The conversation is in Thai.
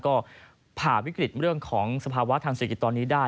ก็ผ่าวิกฤตเรื่องของสภาวะทางเศรษฐกิจตอนนี้ได้